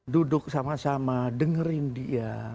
duduk sama sama dengerin dia